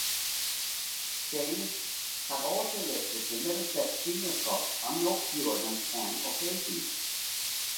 Staines have also lifted the Middlesex Senior Cup on no fewer than ten occasions.